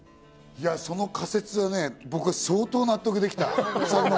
その仮説はね、僕は相当、納得できた。